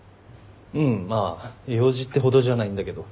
うんまあ用事ってほどじゃないんだけど。